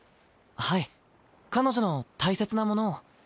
はい彼女の大切なものを。